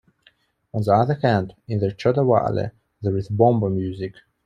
On the other hand, in the Chota Valley there is "bomba" music.